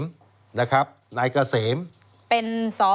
เป็นสอบังริ้น